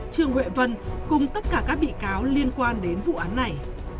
trương huệ vân cùng tất cả các bị cáo liên quan đến vụ án này